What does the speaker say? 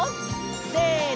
せの！